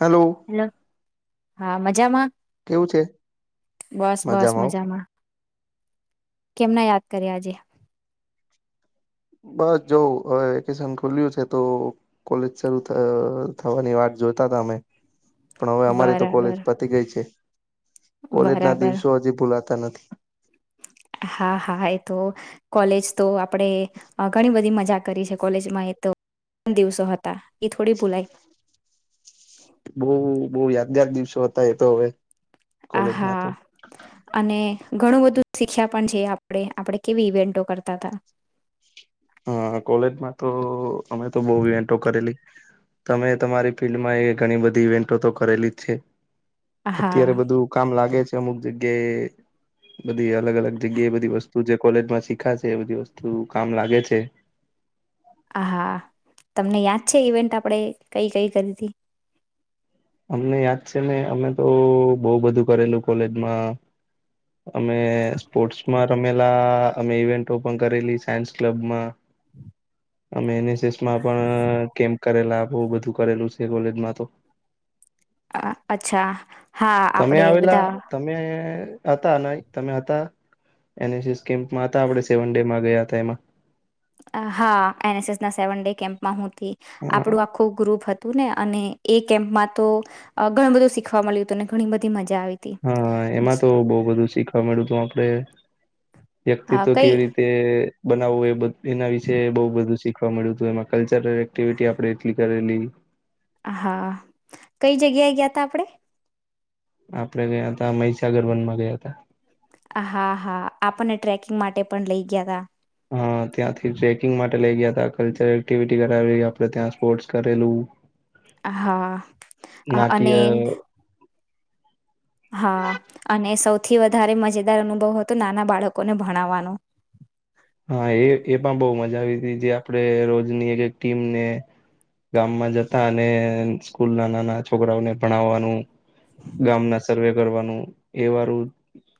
Hello hello હા, મજામા છે બસ, બસ મજામાં કેમના યાદ કર્યાજે બસ જોવ, હવે વેકેશન ખુલ્યુ છે. તો કોલેજ શરૂુ થવાની વાત જોતા તમેમે પણ હવે, અમારી તો કોલેજ બરાબર પતી ગઈ છે કોલેજ ના બરાબર દિવસો હજી ભૂલાતા નથી. હા, હા એ તો કોલેજ તો આપણેે ઘણી બધી મજા કરી છે, કોલેજમાં એ તો તણ દિવસો હતા, એ થોડી ભૂલાઈ બહ બહુ યાદગાર દિવસો હતા, એ તો હવે. આ કોલેજ ના હા, તો અને ઘણું બધું શીખ્યા પણ છે, આપણે આપણે કેવી ઈવેન્ટો કરતા હતા હ કોલેજમા, તો અમે તો બહ ઇવેન્ટો કરેલી તમે તમારી ફિલ્ડમા એ ઘણી, બધી ઇવેન્ટો તો કરેલી જ છે. આ હા અત્યારે બધું કામ લાગે છે, અમુક જગ્યાએ બધી અલગ અલગ જગ્યા એ બધી વસ્તુ જે કોલેજમાં શીખા છે, એ બધી વસ્તુ કામ લાગે છે. ઓકે હ હા, તમને યાદ છે, ઈવેન્ટ આપણેે કઈ કઈ કરી હતી અમને યાદ છેને, અમે તો બહુ બધું કરેલું કોલેજમા અમે સ્પોર્ટ્સમાં રમેલા અમે ઇવેન્ટો, પણ કરેલી સાયન્સ ક્લબમા હમ અમે એનએસએસમાં પણ કેમ્પ કરેલા આપ બધું કરેલું છે, કોલેજમા તો અ અચ્છા હા તમે આપણેે આવેલા, બધા તમે હતા ન તમે હતા, એ કેમ્માં હતા આપ સેવન ડેમાં ગયા હતા એમા હા, એનએસએસ ના સેવન ડે કેમ્પમાં હું હતી હા આપડું આખું ગ્રુપ હતુ. ને અને એ કેમ્પમા, તો ઘણું બધું શીખવા મળ્યું હતું ઘણી બધી મજા આવી હતી. હા એમાં તો બહ બધું શીખવા મળ્યું હત આપડે હા વ્યક્તિત્વ કઈ કેવી રીતે બનાવવું એ એના વિશે બહ બધું શીખવા મળ્યું હતું એમાં કલ્ર આપે એટલી કરેલી હા કઈ જગ્યાએ ગયા ત આપડે આપડે ગયા ત મહીસાગર વનમાં ગયા હતા હા હા આપણને ટ્રેકિંગ માટે પણ લઈ ગયા તા હા ત્યાંથી ટ્રેકિંગ માટે લઈ ગયા હતા કલ્ચરલ એક્ટિવિટી કરાવી આપડણે ત્યાં સ્પોર્ટ્સ કરેલું હા અને નાટ્ય હા અને સૌથી સૌથી વધારે મજેદાર અનુભવ હતો નાના બાળકોને ભણાવવાનો હા એ એ પણ બહુ મજા જે આપડે રોજની એક એક ટીમને ગામમાં જતા અને સ્કૂલ ના નાના છોકરાઓને ભણાવવાનું ગામ ના સર્વે કરવાનું એ વારું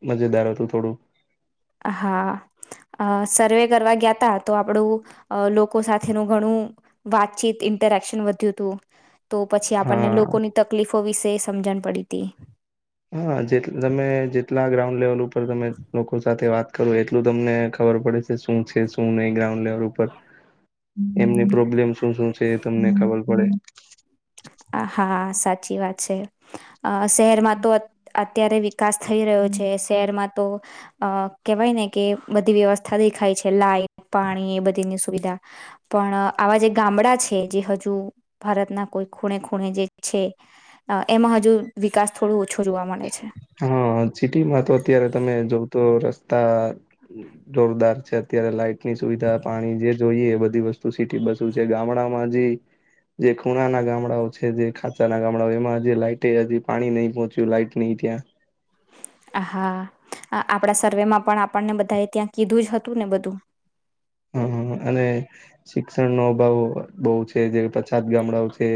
મજેદાર હતું થોડું હા અ સર્વે કરવા ગયા ત તો આપડું લોકો સાથેનું ઘણું વાતચીત ઇન્ટરેક્શન વધ્યું હતું તો પછી આપણને હા લોકોની તકલીફો વિશે સમજણ પડી હતી હા જે તમે જેટલા ગ્રાઉન્ડ લેવલ ઉપર તમે લોકો સાથે વાત ું એટલું તમને ખબર પડે છે શું છે શું નહીં ગ્રાઉન્ડ ઉપ એમની પ્રોબ્લેમ શું શું છે એ તમને ખબર પડે હા સાચી વાત છે અ શહેરમાં તો અત્યારે વિકાસ થઈ રહ્યો છે શહેરમાં તો અ કેહેવાય ને કે બધી વ્યવસ્થા દેખાય છે લાાઈટ પાણી એ બધીની સુવિધા પણ આવા જે ગામડા છે જે હજુ ભારતના કોઈ ખૂણે ખૂણે જે છે એમાં હજુ વિકાસ થોડું ઓછો જોવા મળે છે હા સિટીમાં તો અત્યારે તમે જોવ તો રસ્તા જોરદાર છે અત્યારે લાઈટ ની સુવિધા પાણી જે જોઈએ એ બધી વસ્તુ સિટી બસો છે ગામડા [inaudible] જે ખૂણાના ગામડાઓ છે જે ખાંચા ના ગામડાઓ એમાં જે લાઈટે હજી પાણી નહી પહોંચ્યું લાઈટ ન્યા હા આપણા સર્વે માં પણ આપણને બધાએ ત્યાં કીધું જ હતું ને બધું હમ હમ અને શિક્ષણ નો અભાવ બહ છે જે પછાત ગામડાઓ છે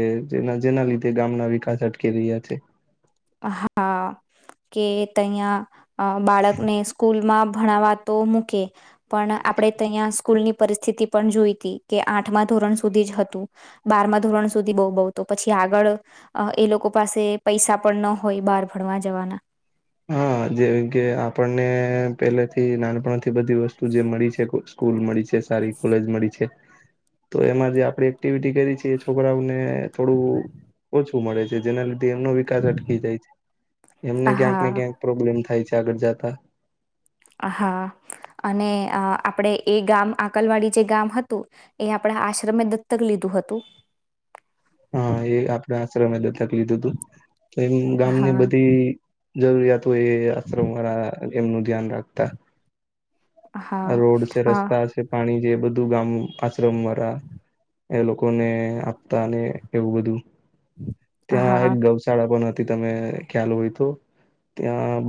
જેના રીતે ગામના વિકાસ અટકી રહ્યા છે હા કે તયા બાળકને સ્કૂલમાં ભણવા તો મૂકે પણ આપણે તહીં સ્કૂલ ની પરિસ્થિતિ પણ જોઈતી કે આઠમા ધોરણ સુધી જ હતું બારમા ધોરણ સુધી બહુ બ તો પછી આગળ એ લોકો પાસે પૈસા પણ ન હોય બહાર ભણવા જવાના પેલેથી નાનપણથી બધી વસ્તુ જે મળી છે સ્કૂલ મળી છે સારી કોલેજ મળી છે તો એમાં જે આપણે એક્ટિવિટી કરી છેી એ છોકરાઓને થોડું ઓછું મળે છે જેના લીધે એમનો વિકાસ અટકી જાય છે એમને ક્યાંક ને હા ક્યાંક પ્રોબ્લેમ થાય છે સાગટ જતા હ હા અને આપડે એ ગામ આકલવાડી જે ગામ હતું એ આપડા આશ્રમે દત્તક લીધું ું હતું આપ આશ્રમે દત્તક લીધું હતું તો એમ ગામની હા બધી જરૂરિયાત તો એ આશ્રરા એમનું ધ્યાન રાખતા આ હા રોડ છે હા રસ્તા છે પાણી જે બધું ગામ આશ્રમ વાળ એ લોકોને આપતા અને એવું બધું ત્યાં હા એક ગૌશાળા પણ હતી તમે ખ્યાલ હોય તો ત્યાં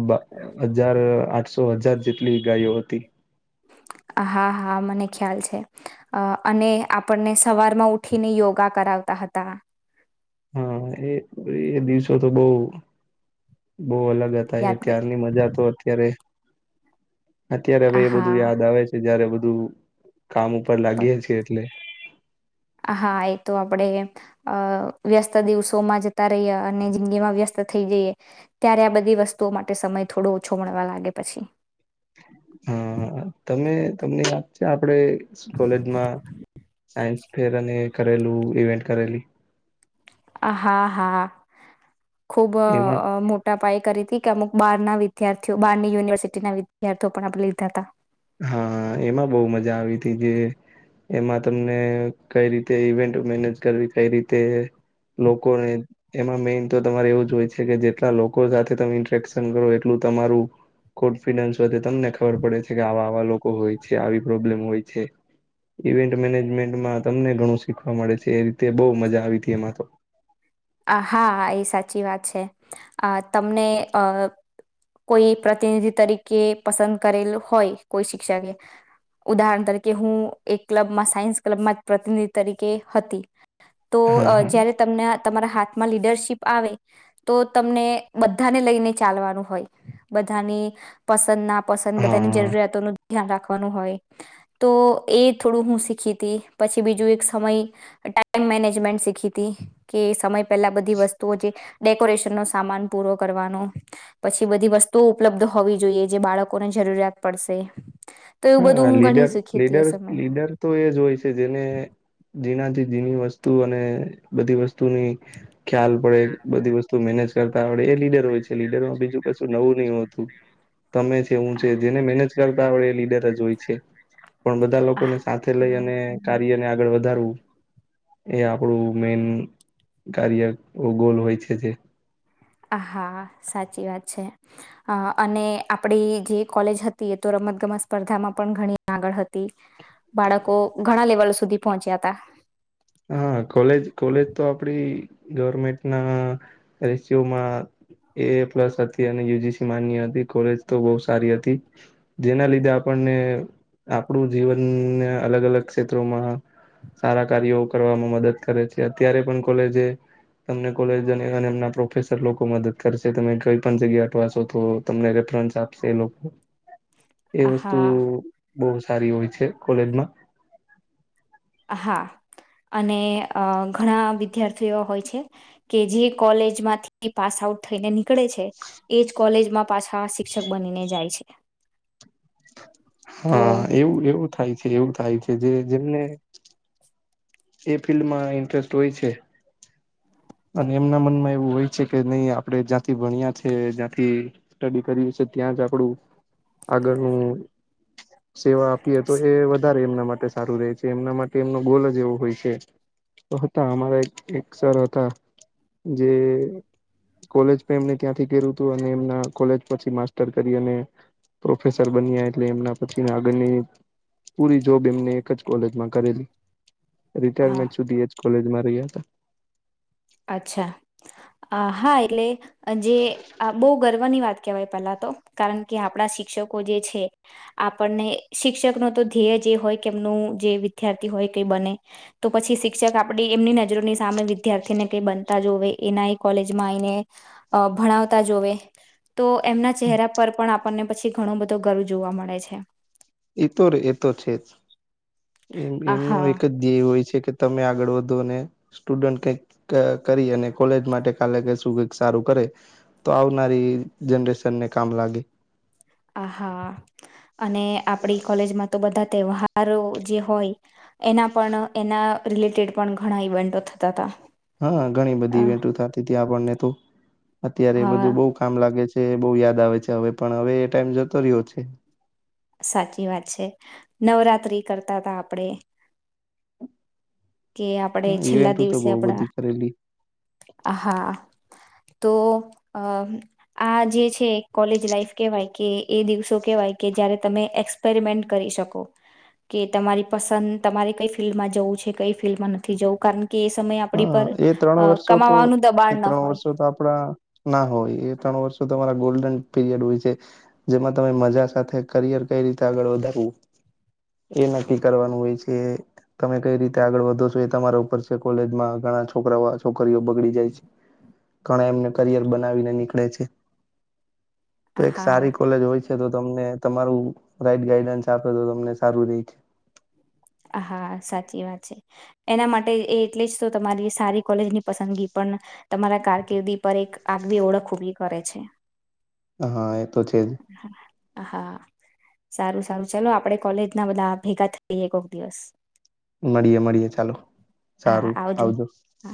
હજાર આઠસો હજાર જેટલી ગાયો હતી હા, હા મને ખ્યાલ છે. અને આપણને સવારમાં ઉઠીને યોગા કરાવ તા હતા હા, એ એ દિવસો, તો બહ બહુ અલગ હતા, એ યાદ ગ- ત્યારની મજા તો અત્યારે અત્યારે હવે, એ હા બધું યાદ આવે છે. જયારે બધું કામ ઉપર લાગી પ- છે, એટલે હા એ તો આપણે અ વ્યસ્ત દિવસોમાં જતા રહીએ, અને જિંદગી માં વ્યસ્ત થઈ જઈએ, ત્યારે આ બધી વસ્તુઓ, માટે સમય થોડો ઓછો મળવા લાગે પછી. હા તમે તમને યાદ છે, આપડે કોલેજમા સાયન્સ ફેર અને કરેલુ, ઇવેન્ટ કરેલી હા, હા ખુબ એમાં મોટા પાઇક કરી હતી. કે અુક બાર ના વિદ્યાર્થીઓ બારની યુનિવર્સિટીના વિદ્યાર્થીઓ પણ આપણે લીધા હતા હા, એમાબહુ મજા આવી હતી, જે એમાં તમને કઈ રીતે ઈવેન્ટ મેનેજ કરવી કઈ, રીતે લોકોને એમાં મેઈન તો તમારે એવું જ હોય છે, કે જેટલા લોકો, સાથે તમે ઇન્ટ્રેક્શન કરો એટલુ તમારું કોન્ફિડન્સ વધ તમને ખબર પડે છે. કે આવા આવા લોકો હોય છે, આવી પ્રોબ્લેમ હોય છે. ઇવેન્ટ મેનેજમેન્ટમા તમને ઘણું શીખવા મળે છે, એ રીતે બહુ મજા આવી હતી, એમા તો હા, એ સાચી વાત છે, આ તમને અ કોઈ પ્રતિનિધિ, તરીકે પસંદ કરેલ હોય, કોઈ શિક્ષકે ઉદાહરણ તરીકે હુ, એક ક્લબમાં સાયન્સ ક્લબમાં પ્રતિનિધિ તરીકે, હતી તો હા હા જયારે તમને. હાથમા, લીડરશીપ આવે તો તમને બધાને લઈને ચાલવાનું હોય બા પસંદ ના પસદ બધાની હા જરૂરિયાતો ન ધ્યાન રાખવાનું હોય, તો એ થોડું હુ, શીખી હતી પછી, બીજું એક સમય ટાઈમ મેનેજમેન્ટ શીખી ત કે સમય, પેલા બધી વસ્તુઓ જે ડેકોરેશન નો સામાન પૂરો કરવાનો પછી બધી વસ્તુ વસ્તુ ઉપલબ્ધ હોવી. જોઈએ જે બાળકોને જરૂરિયાત પડશે તો એવું હાા બધું હું ઘણી લીડર, શીખી હતી એ લીડર, સમય લીડર. તો એ જ હોય છે, જેને જીણાથી જીની વસ્તુ અને બધી વસ્તુની ખ્યાલ પડે બધી વસ્તુ મેનેજ તા એ લીડર હોય છે. લીડરમાં બીજું કશું નવું નહ હોતુ તમે છે, હુ છે, જેને મેનેજ કરતા હોડ એ લીડર જ હોય છે. પણ બધા લોકોને સાથે લઈ, અને કાર્યને આગળ વધારવુ એ આપણું મેન કાર્ય ગોલ હોય છે, જે આ હા, સાચી વાત છે. અને આપડી જે કોલેજ હતી એ તો રમ રમતગમત સ્પર્ધામા, પણ ઘણી આગળ હતી. બાળકો, ઘણા લેવલ સુધી પહોંચ્યા હતા. હા, કોલેજ કોલેજ તો આપડી ગવર્મેન્ટના રેશિયોમા એ એ પ્લસ હતી, અને યુજીસી માન્ય હતી કોલેજ તો બહુ સારી હતી. જેના લીધે આપ આપણુ જીવનને, અલગ, અલગ ક્ષેત્રોમા સારા કાર્યો કરવામાં મદદ કરે છે. અત્યારે પણ કોલેજ તમને કોલેજ એમના પ્રોફેસર લોકો. મદદ કરશે તમે કઈ પણ જગ્યા અટવા છો, તો તમને આપશે એ લોકો એ હતા વસ્તુ હા બહુ સારી હોય છે, કોલેજમા હા. અને ઘણા વિદ્યાર્થીઓ હોય છે, કે જે કોલેજમાંથી પાસ આ થઈને. નીકળે છે, એજ કોલેજમાં પાછા શિક્ષક બનીને જાય છે. તો હા એવું એવું થાય છે, એવું થાય છે, જે જેમને એ ફિલ્ડમાં ઇન્ટરેસ્ટ હોય છે. અને એમના મનમાં એવું હોય છે, કે નહી આપડે જ્યાંથી ભણ્યા છે જ્, યાંથી સ્ટડી કર છે. ત્યાં જ આપડું આગળનું સેવા આપીએ તો એ વધારે એમના મા ટે સારું રહે છે, એમના માટે એમનો ગોલ જ એવો હોય છે, હતા અમારા એક સર હતા જે કોલેજ પણ એમને ત્યાંથી કર્યું હતું અને એમના કોલેજ પછી માસ્ટર કરી અને પ્રોફેસર બન્યા એટલે એમના પછીના આગળની પૂરી જોબ એમને એક જ કોલેજમાં કરેલી હા રિટાયરમેન્ટ સુધી એજ કોલેજમાં રહ્યા હતા. અચ્છા. અ હા એટલે જે બોવ ગર્વની વાત કેહેવાય પહેલા તો કારણ કે આપણા શિક્ષકો જે છે, આપણને શિક્ષકનો તો ધ્યેય જે હોય કે એમનું જે વિદ્યાર્થી હો ય કય બને તો પછી શિક્ષક આપડી એમની નજરોની સામે વિદ્યાર્થીને કે બનતા જોએ કોલેજમાં એનાય અ ભણાવતા જોવે તો એમના ચ હેરા પર પણ આપણને પછી ઘણો બધો ગર્વ જોવા મળે છે. એતો રે એ તો છે, જ એમ એમનો આહા એક જ ધ્યેય હોય છે. કે તમે આગળ વધો ને સ્ટુડન્ટ કઈક કરી અને કોલેજ માટે કાલે કશું કક સારું કરે તો આવનારી જનરેશનને કામ લાગે આ હા અને આપડી કોલેજમાં તો બધા તહેવારો જે હોય એના પણ એના રિલેટેડ પણ ઘણા ઇવેન્ટો થતા હતા હા ઘણી બધી અ ઈવેન્ટ થતીતી આપણને તો અત્યારે હા બધું બઉ કામ લાગે છે. બો યાદ આવે છે, હવે પણ હવે એ ટાઈમ જતો રહ્યો છે. સાચી વાત છે, નવરાત્રી કરતા હતા આપણેે કે હ આપણે છેલ્લા ઇવેન્ટુ તો દિવસે બો આપણા બધી કરેલી હા તો અ આ જે છે, કોલેજ લાાઈફ કેહેવાય કે એ દિવસો કેહેવાય કે જ્યારે તમે એક્સપેરિમેન્ટ કરી શકો કે તમારી પસંદ તમારે કઈ ફિલ્ડમાં જવું છે, કઈ ફિલ્ડમાં નથી જવું કારણ કે એ સમયે અ આપણી પર એ ત્રણ અ વર્ષો તો કમાવાનું એ દબાણ ન ત્રણ વર્ષો હોય તો આપણા ના હોય એ ત્ર ણ વષૉ તમારા ગોલ ડન પિરિયડ હોય છે, જેમાં તમે મજા સાથે કરિયર કઈ રીતે આગળ વધારવું એ નક્કી કરવાનું હોય છે, તમે કઈ રીતે આગળ વધો છો એ તમારા ઉપર છે. કોલેજમાં ઘણા છોકરાઓ છોકરીઓ બગડી જાય છે. ઘણા એમને કરિયર બનાવીને નીકળે છે, તો એક હા સારી કોલેજ હોય છે, તો તમને તમારું રાઈટ ગાઈડન્સ આપે તો તમને સારું રે હા સાચી વાત છે. એના માટે એ એટલે જ તો તમારી સારી કોલેજની પસંદગી પણ તમારા કારકિર્દી પર એક આગવી ઓળખ ઉભી કરે છે. હા એ તો છે જ હા સારું સારું ચાલો આપડે કોલેજના બધા ભેગા થઈએ કોક દિવસ મળીએે મળીએે ચાલો સારું આવજો હા